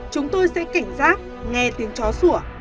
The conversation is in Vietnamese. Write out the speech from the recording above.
chúng tôi sẽ cảnh giác nghe tiếng chó sủa